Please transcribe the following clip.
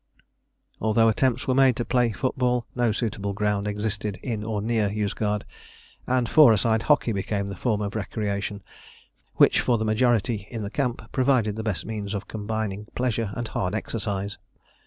Although attempts were made to play football, no suitable ground existed in or near Yozgad, and four a side hockey became the form of recreation which for the majority in the camp provided the best means of combining pleasure and hard exercise.